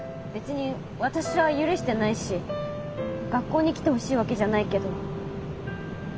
別に私は許してないし学校に来てほしいわけじゃないけど。